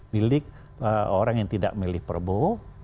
bilik orang yang tidak memilih perbu